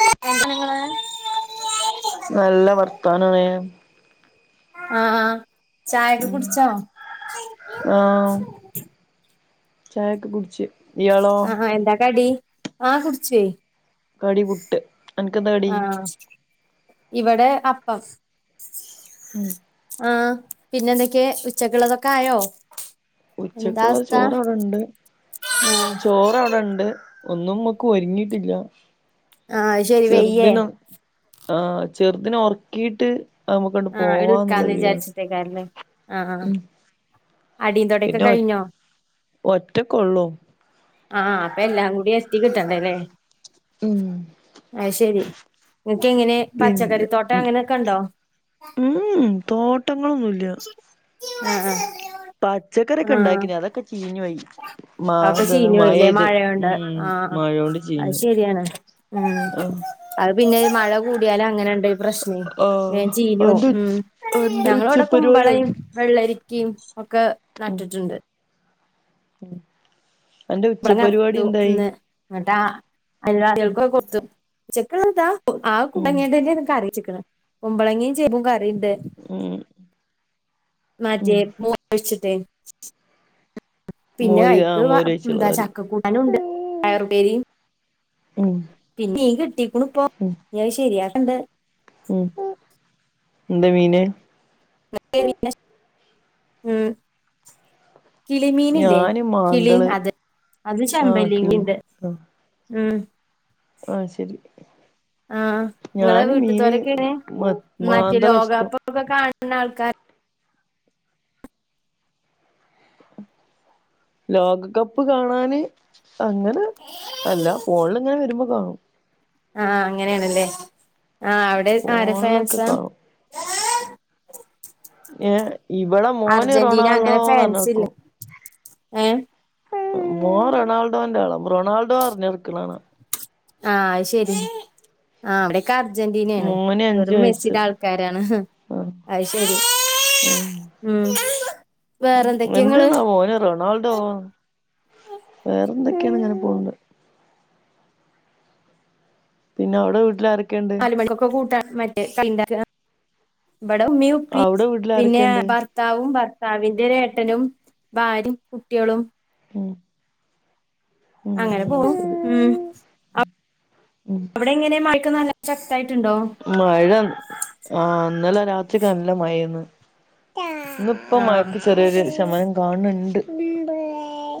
സാധനങ്ങള് നല്ല വർത്തനാണെ ആഹ് ചായൊക്ക കുടിച്ചോ? ആഹ് ചായക്ക കുടിച്ച്. ഇയാളോ ആഹ് എന്താ കടി? ആഹ് കുടിച്ചേ. കടി പുട്ട്. അനക്കെന്താ കടി അഹ് ആഹ് ഇവിടെ അപ്പം. ഉം. ആഹ് പിന്നെന്തൊക്കെ ഉച്ചക്കുള്ളതൊക്കെ ആയോ? എന്താ ഉച്ചക്കുള്ള അവസ്ഥ ചോറവ്ടെണ്ട് ആഹ് ചോറവ്ടെണ്ട്. ഒന്നുംമ്മക്ക് ഒരുങ്ങിട്ടില്ല ആഹ് അത് ശരി വെയ്യേ ചെറുദിന ആഹ് ചെറുതിന ഒർക്കീട്ട് നമുക്ക്ണ്ട് പോവാന്നുള്ള തീലാണ്. ന്തേകാര്ന് അഹ് ആഹ് അടീന്തോടെക്കെ പിന്നെ ഒ കഴിഞ്ഞോ? ഒറ്റക്കൊള്ളൂ ആഹ് അപ്പൊ എല്ലാം കൂടി എസ്റ്റി കിട്ടണ്ടല്ലേ? ഉം. ആഹ് ശെരി നിനക്ക് എങ്ങനെ പിന്നെ പച്ചക്കറിത്തോട്ടം ഉം അങ്ങനെയൊക്കെണ്ടോ? ഉം തോട്ടങ്ങളൊന്നുംല്ല- ആഹ് ആഹ് പച്ചക്കെറ്യക്കെ ഉണ്ടാക്കിനതൊക്കെ ചീഞ്ഞോയി അഒക്കെ ചീഞ്ഞോയി ലേ മഴൊയൊ ണ്ട്. ആഹ് മഴോണ്ട് ചീഞ്ഞു അത് പോയി ശെരിയാണ് ഉം ആഹ് അത് പിന്നെ മഴ കൂടിയാലും അങ്ങനെണ്ടെ പ്രശ്നം ആഹ് വേം ചിഞ്ഞോവും. അന്റെ ഉം അന്റെ ഞങ്ങള് വടെ കുമ്പളയും ഉച്ചപരിപാടി വെള്ളരിക്കിം ഒക്കെ ഉം നട്ടിട്ടുണ്ട് അന്റെ ഉച്ചപരിപാടി എന്തായി എന്നങ്ങട്ട എല്ലാകൾക്കൊക്കെ കൊടുത്തു ചെക്കാ ആ ഉം കുടങ്ങിട്ട എനക്ക് അറിയാം [inaudible] [unintelligible] കുമ്പളങ്ങയും ചേമ്പും കറിണ്ട്- ഉം ഉം മറ്റിയേ ഒഴിച്ചിട്ടേ [unintelligible] പിന്നെ മോര് ആഹ് ഐക്ക് വ മോരൊഴിച്ചുള്ള എന്താ കറി ചക്ക കുട്ടാനുണ്ട് പയറുപ്പേരി ഉം പിന്നെ നീൻ കിട്ടീക്ക്ണു ഇപ്പോ ഞൻ ശരിയാക്കണ്ട് ഉ എന്തമീന് ഉം കിളിമീന്ല്ലേ ഞാന് കിളി മാന്തള് അത് അത് ആഹ് ചെമ്പല്ലി കിളി ല്ണ്ട് ഉം ഓ ശരി ആഹ് ങ്ങളെ ഞാന് മീന് വീട്ടത്തോരൊക്കേണ്. മ മറ്റേ മാന്തള ഇഷ്ടം ലോകകപ്പൊക്കെ കാണുന്ന ആൾക്കാർ ലോകകപ്പ് കാണാന് അങ്ങനെ അല്ല, ഫോൺല്ങ്ങനെ വരുമ്പോ കാണും ആഹ് അങ്ങനേണ്ലേ. ആ അവിടെ ആരെ ഫേൻസ ഫോണിലൊക്കെ കാണും ഏ ഇവടെ മോന് അർജന്റീന അങ്ങനെ റൊണാൾഡോന്ന ഫാൻസില്ലേ ർഞ്ഞട്ക്കും ഏഹ് മോൻ റൊണാൾഡോന്റാള റൊണാൾഡോർഞ്ഞട്ക്ക്ണാണ ആഹ് അയ് ശരി ആഹ് വിട്യൊക്കെ അർജന്റീനേണ്. മോന് അഞ്ചു വെറും വയസ്സ് മെസ്സിടെ ആൾക്കാരാണ്. ആ അത് ശരി ഉം ഉം വേറെന്തൊക്കെയാ എന്ത്‌ ഇങ്ങള് ന്നാവോ ഓന് റൊണാൾഡോ വേറെന്തൊക്കേണ്. ങ്ങനെ പോണ്ട് പിന്നൗടെ വീട്ടിൽ ആരൊക്കെണ്ട് കൂട്ട മറ്റേ [unintelligible] ക വടെ ഉമ്മി ഉപ്പി അവിടെ വീട്ടിൽ പിന്നെ ആരൊക്കെയുണ്ട് ഭർ ത്താവും ഭർത്താവിന്റോരേട്ടനും ഭാര്യും കുട്ട്യളും ഉം അങ്ങനെ ഉം പോണു ശരി ഉം ഉം അവിടെ എങ്ങനെയ മഴക്ക നല്ല ശക്തായിട്ട്ണ്ടോ? മഴ, ആഹ് ഇന്നലെ രാത്രിക്ക നല്ല മഴേന്നു. ന്ന് പ്പം ആഹ് മഴക്ക് ചെറിയൊരു ശമനം കാൺണ്ണ്ണ്ട്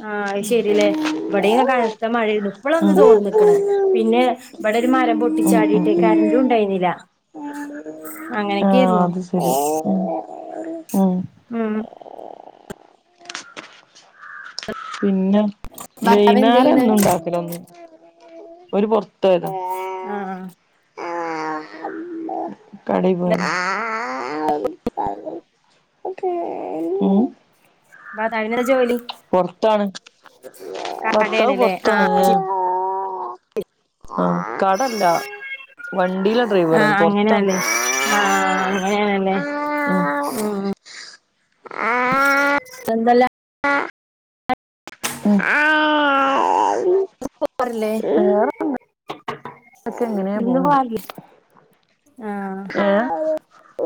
ആഹ് അത് ശരിലേ വട്യും കനത്ത മഴണ്ട്. ഇപ്പളാ ഒന്ന് ചോർ നിക്കണ് പിന്നെ വിടെരു മരം ഉം ഉം ഉം പൊട്ടിച്ചാടിട്ടേ കരണ്ടും ഉം ഉണ്ടായിന്നില്ല ആഹ് അത്ശരി ഉം ഉം ഉം പിന്നെ ഭർത്താവ് എന്ത് വൈന്നാരം ചെയ്യണ് ഒന്നും ഉണ്ടാക്കലൊന്നുല്ല. ഓല് പൊർത്തോയതാ ആഹ് കടീ പോയത ഉം ബാത്താവിന ജോലി പൊർത്താണ് ഭർത്താവ് കടയാണ്ല്ലേ പൊർത്താണ്.. ആഹ് അത് ശരി ആഹ് കടല്ല വണ്ടീലണ് ആഹ് ഡ്രൈവറണ് പൊർത്താണ് അങ്ങനെയാണല്ലേ ആഹ് അങ്ങനേണ് ലേ ഉം എന്തല്ല [inaudible] ആ പോരല്ലേ ഒക്കെ എങ്ങനെ ഇവ്ട്ന്ന് പോണ്ട് പോരല്ലേ ആഹ്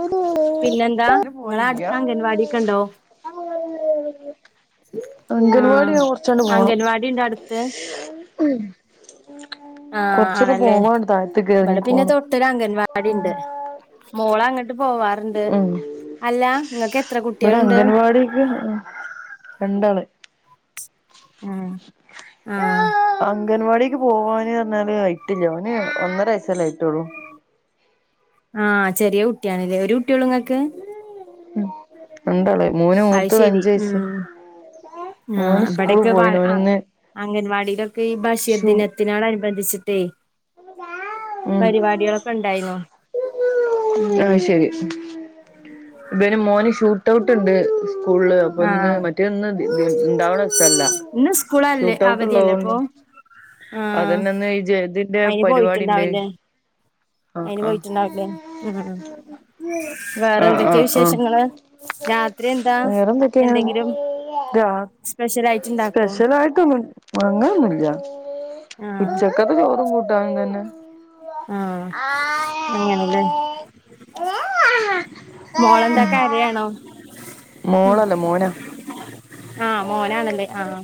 ഇജ് പിന്നെന്താ നിങ്ങളെ പോവലില്ലാ അടുത്ത് അംഗൻവാടി ഒക്കെ ഉണ്ടോ അംഗൻവാടി ആഹ് ഞാ കൊറച്ചണ്ട് പോണം അംഗൻവാടി ഉണ്ടോ അടുത്ത് ആഹ് കൊറച്ച പോവാണ്ട് താഴ്ത്ക്ക് എറങ്ങി പോണം ത്ത് അംഗൻവാടി ഇണ്ട് മോള അങ്ങട്ട് പോവാറ്ണ്ട് ഉം അല്ല ങ്ങക്ക് എത്ര കുട്ട്യൾണ്ട് പഠിക്ക്ന്നോ രണ്ടാള് ആഹ് ആഹ് അംഗൻവാടിക്ക് പോവാന് പറഞ്ഞാല് അയ്റ്റില്ല ഓന് ഒന്നര വയസല്ലേ ആയ്റ്റാള്ളു ആഹ് ചെറിയ കുട്ടി ആൺ ലേ ഒരു കുട്ടി ഒള്ളു ങ്ങക്ക് ഉം രണ്ടാള് മോന് അത് മൂത്തത് ശരി അഞ്ച് വയസ്സ് ഉം ഓന് സ്കൂള് പോയിണ് ഓന്ന്ന്ന് അംഗൻവാടീലൊക്കെ ഈ ബഷീർ ദിനത്തിനോടനുബന്ധിച്ച് ട്ടയ് ഉം പരിവാടിളൊക്കെ ഇണ്ടായിന്നു ആഹ് ശരി ബന് മോന് ഷൂട്ട് ഔട്ട് ണ്ട് സ്കൂള് അപ്പൊ ഇന്ന് ആഹ് മറ്റേ ഇന്ന് ഇണ്ടാവണ സല്ല ഇന്ന് സ്കൂളല്ലേ അവധില്ലേ അപ്പൊ ആഹ് അതന്നെന്ന് ഈ ഇതിന്റെ അയ്ന് പരിപാടി ഉണ്ട് പോയിറ്റ്ണ്ടാവും ല്ലേ ആഹ് അയ്ന് ആഹ് പോയിറ്റ്ണ്ടാവുല്ലേ മ് മ് വേറെ ആഹ് എന്തൊക്കെ ആഹ് ആഹ് വിശേഷങ്ങള് രാത്രി എന്താ എന്തെങ്കിലും രാ സ്പെഷ്യൽ ആയിട്ട് ഇണ്ടാക്കോ സ്പെഷൽ ആയിട്ട് ഒന്നു അങ്ങനൊന്നുല്ല ആഹ് ഉച്ചക്കത്തെ ചോറും കൂട്ടാനുംതനെ ആഹ് അങ്ങനല്ലേ മോളെന്താ കരയാണോ മോളല്ല മോനാ ആഹ് മോനാണല്ലേ ആഹ്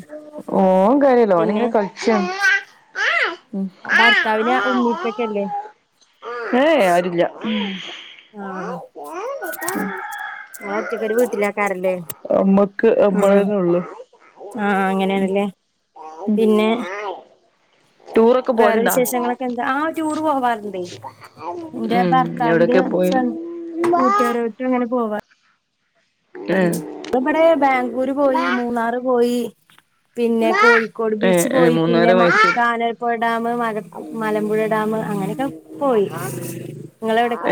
പിന്നെ ആഹ് ആഹ് ഭർത്താവിന് ആഹ് ഉമ്മി ഉപ്പക്കെല്ലേ ആഹ് ഏ ആരുല്ല ആഹ് നിങ്ങള് ഒറ്റക്കൊരു വീട്ടിലേക്കാരല്ലേ ഞമ്മക്ക് ഉം ഞമ്മളന്നൊ ആഹ് അങ്ങനെണല്ലേ പിന്നെ [inaudible] ടൂറൊക്കെ വേറെ പോവലുണ്ടോ വിശേഷങ്ങളൊക്കെ എന്താ ആ ടൂർ പോ വാർണ്ടേ ന്റെ ഉം ഭർത്താവിന്റെ എവിടൊക്കെ പോയി ഫ്ര കൂട്ടുകാരോറ്റും അങ്ങനെ പോവാ ഏഹ് റ്ണ്ട് വടെ ബാംഗ്ലൂര് പോയി മൂന്നാറ് പോയി പിന്നെ കോഴിക്കോട് ഏഹ് ബീച്ച് ഏഹ് പോയി പിന്നെ മൂന്നാറ് മ മൈസൂര് കാനർപ്പൊഴ ഡാമ് മല മലമ്പുഴ ഡാമ് അങ്ങനൊ ക്കെ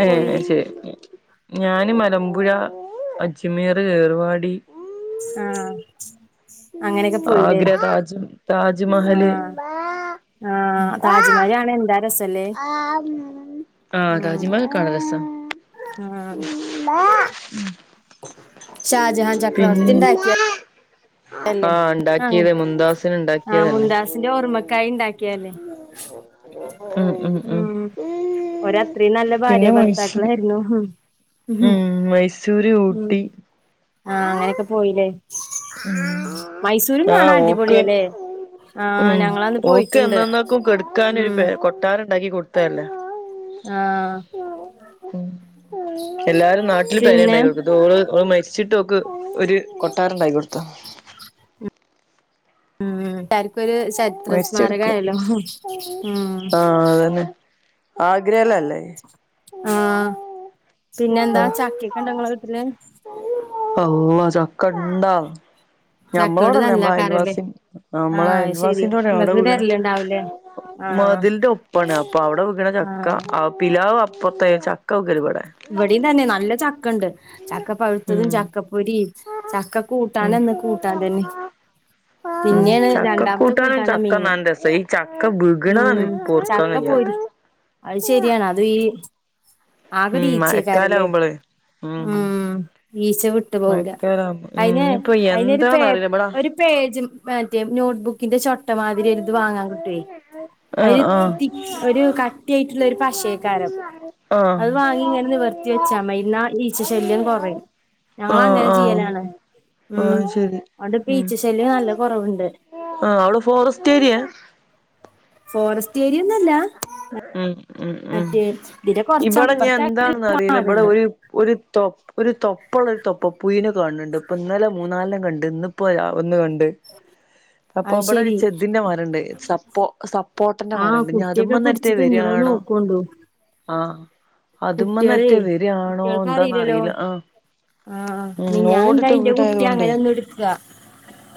ഏ പോയി എഹ് ശരി ഞാന് മലമ്പുഴ അജ്മീർ ഏർവാടി ആഹ് അങ്ങനെയൊക്കെ പോയില്ലേ ആഗ്ര താജ് താജ്മഹല് ആഹ് ആഹ് താജ്മഹല് കാണാ എന്താ രസല്ലേ ആ താജ് മഹൽ കാണാരസാ അ ആഹ് ഷാജഹാൻ പിൻ ചക്രവർത്തിണ്ടാക്കിയ അല്ലെ ആഹ് ആഹ് ഇണ്ടാക്കിയത് മുംതാസിന് ആ ഇണ്ടാക്കിയതല്ലേ മുന്താസിന്റെ ഓർമ്മക്കായി ഇണ്ടാ ക്ക്യാല്ലേ ഉം ഉം ഓരത്രിം നല്ല ഭാര്യ പിന്നെ മൈസൂ ഭർത്താക്കളായിരുന്നു ഉം മൈസൂര് ഉം ഊട്ടി ആഹ് അങ്ങനെ ഒക്കെ പോയില്ലേ ഉം മൈസൂരും കാണാ അടിപൊളി അലേ ഉം ഓക്ക് എന്നെന്നേക്കും കെട്ക്കാന് ഒരു ഉം കൊട്ടാരം ഇണ്ടാക്കി കൊടുത്തെല്ലേ ആഹ് എല്ലാരും നാട്ടില് പെരെ പിന്നെ ഇണ്ടാക്കി കൊടുത്. ഓള് ഓള് മരിച്ചിട്ട് ഓക്ക് ഒരു കൊട്ടാരം ഇണ്ടാക്കി കൊടുത്താ ല്ലാര്ക്കൊര് ചരിത്ര സ്മാരക മരിച്ചെടുക്ക് ആണല്ലോ ഉം ആഗ്രല്ലെല്ലേ ആഹ് പിന്നെ എന്താ ആഹ് ചക്ക്യക്കെ ഇണ്ടൊ ഇങ്ങളെ വീട്ടില് അള്ള ചക്ക ഇണ്ടാ. ചക്കോട് ഞമ്മളോടെല്ലേ നല്ല ഞമ്മള കറല്ലേ അയൽവാസി ആ ഞമ്മളെ അത് ശരി അയൽവാസിന്റെ [unintelligible] ഔടെ നിങ്ങക്ക് വീണ് തരലുണ്ടാവൂലേ ആ മതില്ന്റെ ഒപ്പാണ്. അപ്പൊ ഔടെ വിക്ണ ചക്ക ആ ആഹ് പിലാവ് അപ്പൊറ്ത്തെ ചക്ക വികല് വെട ഇവിടിം തന്നെ നല്ല ചക്ക ഇണ്ട് ചക്ക പഴുത്തതും ഉം ചക്കപ്പൊരി ചക്ക ഉം കൂട്ടാന് എന്ന് കൂട്ടാൻ തന്നെ ഉം പിന്നേണ് ചക്ക രണ്ടാമത്തെ കൂട്ടാനും കൂട്ടാനാ ചക്ക മീന് നല്ല രസ ഈ ചക്ക വികണതാണ് ഉം പൊറുക്കാൻ ചക്ക കഴിയാത്തെ പൊരി അത് ശരിയാണ് അത് ഈ ഒര് ഉം മഴക്കാലം ഈച്ചേക്കാരല്ലേ ആവുമ്പോളേ ഉം ഈച്ച വി ഇട്ട്പോവുല മഴക്കാലം ഉം അയ്ന് ഇനിയിപ്പോ അയ്നൊരു ഒരു പേ എന്താന്ന് അറിയില്ല ഇബടാ ഒരു പേജും മറ്റേ നോട്ട്ബുക്കിന്റെ ചൊ ഇട്ടമാതിരി എരുത് വാങ്ങാൻ കിട്ട്വോ അയ്ൽ ആഹ് ആഹ് ത്തി ഒരു കട്ടിയ ആയിറ്റ്ള്ള ഒരു പശേക്കാരം. ആഹ് അത് വാങ്ങിഇങ്ങനെ നിവർത്തി വെച്ചാ മ [unintelligible] ഇന്നാ ഈച്ച ശല്യം കൊറയും. ഞങ്ങള് ആഹ് അങ്ങനെ ആഹ് ചെയ്യലാണ് ഉം ആഹ് ശരി അഓണ്ട് ഉം പീച്ച ശല്യം നല്ല കൊറവ്ണ്ട് ഫോറെസ്റ്റ് ഏരിയ ഫോറസ്റ്റ് ഏരിയ ഒന്നല്ല ഉം ഉം ഉം ഇതിന്റെ കൊറച്ച് ഇബെടെ ഇഞ് അപ്പുറത്തായിട്ട് എന്താണ്ന്ന് അറീല്ല ഇ ബെടെ കാടുണ്ട് ഒരു ഒരു തൊപ്പ ഒരു തൊപ്പ ഇള്ള ഒരു തൊപ്പ പുയിനെ കാണ് ഇണ്ട്. ഇപ്പ ഇന്നലെ മൂന്നാലെനെം കണ്ട് ഇന്ന് ഇപ്പോ ഒന്ന് കണ്ട് അപ്പൊ അത് ഇ ബെടെ ഒരു ശരി ചെദ്ന്റെ മര ഇണ്ട് സപ്പോ സപ്പോട്ടന്റെ ആ മര ണ്ട് ഞത് കുട്ടിയൊക്കെ മന്നറ്റെ പിടിച്ച് തിന്നണ വരാണോ നോക്കോണ്ടു ആഹ് കുട്ടികളെ അതുമന്നറ്റെ വരാണോ എന്താന്ന് അറീല്ല ആഹ് ആഹ് ഉം മിഞ്ഞാന്ന് ഓടിട്ട ഇണ്ടായി. ഇന്റെ കുട്ടി അങ്ങനെ വീടായതുകൊണ്ടേ ഒന്ന് ഇടുക്ക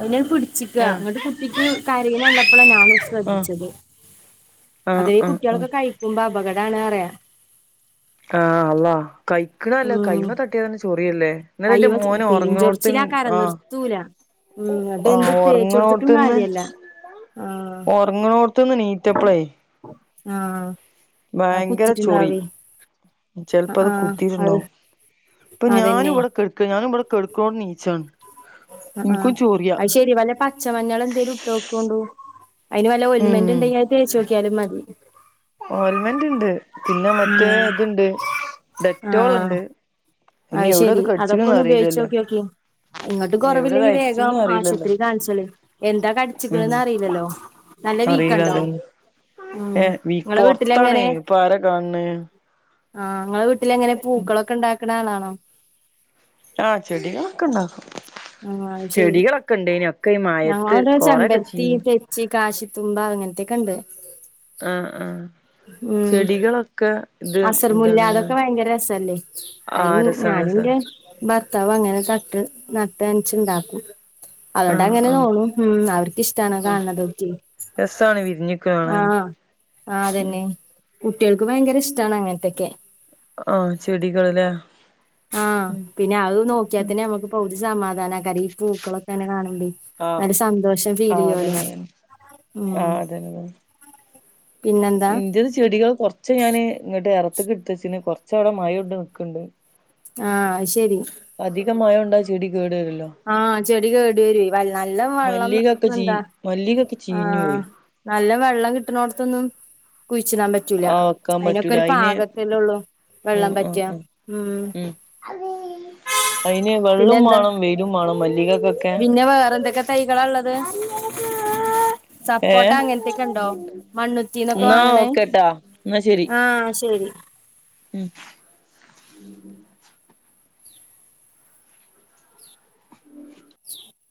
അത് പിടിച്ചിക്ക. ആഹ് ഇങ്ങട്ട് കുട്ടിക്ക് കരയ്ന കണ്ടപ്പളാ ഞാൻ ആഹ് ശ്രദ്ധിച്ചത് ആഹ് അതേ ആഹ് ആഹ് കുട്ട്യേളൊക്കെ കഴിക്കുമ്പ അപകടാണ് അറ്യ ആഹ് അള്ളാ കഴിക്ക്ണ അല്ല ഉം കൈമെ തട്ട തെ ചൊറിയെല്ലേ ഇന്നെലെ ഇന്റെ കയ്യ്മ മോന് ഒറങ്ങ്ണോട്ത്ത് പെരിഞ്ചൊറിച്ചിലാക്കാരം ആഹ് നിർത്തൂല ഉം ന്നട്ട് എന്ത് ആഹ് തേച്ചൊടുത്തിട്ടും ഒറങ്ങ്ണോട്ത്ത്ന്ന് കാര്യല്ല ആഹ് ഒറ്ങ്ങ്ണോർത്ത്ന്ന് നീറ്റപ്ലേ. ആഹ് അത് ഭയങ്കര ചൊറി. കുത്തിട്ടുണ്ടാവേ ചെല്പ്പ ആഹ് അത് ആഹ് കുത്തീട്ട് അത് ഇണ്ടാവും ഇപ്പ ഞാനും അതന്നെ ഇവടെ കെട്ക്ക. ഞാനും ഇ ബെടെ കെട്ക്ക്ണോട്ത്ത്ണ് നീച്ചാണ് എനിക്കും ആഹ് ചൊറിയാ അത് ശര്യ വല്ല പച്ചമഞ്ഞള് എന്തേലും ഇട്ട് വെക്കോണ്ടു അയ്ന് വല്ല ഓൽമേന്റ് ഉം ഇണ്ടെങ്കി അത് തേച്ചോക്ക്യാലും മതി ഓൽമെന്റ് ഇണ്ട്. പിന്നെ മറ്റേ ആഹ് ഇത്ണ്ട്. ഡെറ്റോള് ഇണ്ട്. അഹ് ശെരി. അതൊക്കെ ഒന്ന് ഉപയോഗിച്ച് നോക്ക്യോക്കി ഇങ്ങട്ടു എവിടെ അത് കൊറവില്ലെങ്കി വേഗം അരിച്ചിക്കണന്ന് അറിയില്ലല്ലോ ആശുപത്രി കാണിച്ചാളി എന്താ ഉം കടിച്ചിക്ക്ണ്ന്ന് അറീല്ലല്ലോ നല്ല അറിയില്ല വീക്കണ്ടോ. അതന്നെ ഏ ഉം ഇങ്ങളെ ഇപ്പൊറത്താണ് വീട്ടിലെങ്ങനെ ഇപ്പൊ ആരാ കാണ് ണേ ആഹ് ങ്ങളെ വീട്ടിലെങ്ങനെ പൂക്കളൊക്കെ ഉണ്ടാക്ണാ ആളാണോ ആഹ് ചെടികളൊക്കെ ഉണ്ടാക്കും ആഹ് അത് ശെരി ചെടികളൊക്കെ ണ്ടേനി ഒക്കെ മയത്ത് കൊറൊക്കെ ചീ ച്ചി കാശിത്തുമ്പ അങ്ങൻത്തൊക്കെണ്ട് ആഹ് ആഹ് ഉം അസർമുല്ല എന്താണ് അതൊക്കെ ഭയങ്കര രസല്ലേ ആ അയ്ന് രസാണ് ഞാന് ന്റെ രസാണ് ഭർത്താവ് അങ്ങനെ തട്ട് നട്ടന്ച്ണ്ടാക്കും ആ അതോണ്ട് അങ്ങനെ ആ തോണും ഉം അവർക്ക്ഷ്ടണോ കാണണതൊക്കെ രസാണ് വിരിഞ്ഞിക്ണെ കാണാന് ആഹ് ഉം അതന്നെ കുട്ട്യോൾക്ക് ഭയങ്കര ഇഷ്ടാണ് അങ്ങൻത്തൊക്കെ ആഹ് ചെടികൾല്ലേ ആഹ് ഉം പിന്നെ അഹ് ഉം നോക്കിയാത്തന്നെ നമക്ക് പൗതി സമാധാനാകാര് ഈ പൂക്കളൊക്കെന്നെ കാണ്പേ ആ നല്ല സന്തോഷം ആ ഫീൽയ്യലോ അതന്നെ അതന്നെ ആ ഉം പിന്നെന്താ ഇന്റെൽ ചെടികൾ കൊ ച്ച ഞാന് ഇങ്ങട്ട് എറത്തക് എടുത്ത് വച്ചിന് കുറച്ടെ മഴ കൊണ്ട് നിക്ണ്ട് ആഹ് ശരി പ്പധികം മയൊണ്ട ചെടി കേട് രൊല്ലോ ആഹ് ചെടി കേടി വരു നല്ല വെള്ളം മല്ലികൊക്കെ ചീ എന്താ മല്ലികൊക്കെ ചീഞ്ഞു ആഹ് പോയി നല്ല വെള്ളം കിട്ടണോടത്തൊന്നും കുഴിചിടാ പറ്റ് റ്റുല ആ വെക്കാൻ അയിനൊക്കെ പറ്റൂല ഒരു അയിന് പാകത്തെല്ലേ ഉള്ളൂ ആ വെള്ളം ആ പറ്റ്അ ആ ഉം അയിന് പിന്നെ വെള്ളും എന്താ മാണം വെയിലും മാണം മല്ലികക്കൊക്കെ പിന്നെ വേറെ എന്തൊക്കെ തൈകളാള്ളത് സപ്പോട്ട ഏഹ് അങ്ങൻത്തൊക്കെ ഉണ്ടോ മണ്ണുത്തിന്നൊക്കെ വാങ്ങണേ ട്ടാ ന്നാ ശരി ആഹ് ശരി ഉം [unintelligible] [unintelligible] [unintelligible]